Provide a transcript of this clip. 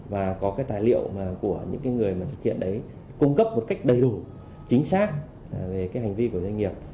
và có tài liệu của những người thực hiện đấy cung cấp một cách đầy đủ chính xác về hành vi của doanh nghiệp